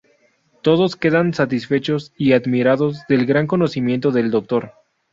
Todos quedan satisfechos y admirados del gran conocimiento del doctor.